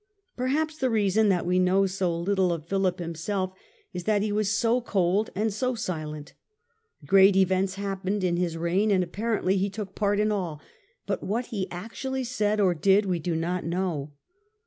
Perhaps the reason that we know so little of Philip himself is that he was so cold and so silent : great events happened in his reign, and apparently he took part in all, but what he actually said or did we do not know.